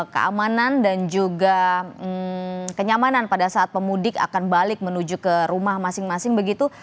keamanan dan juga kenyamanan pada saat pemudik akan balik menuju ke rumah masing masing begitu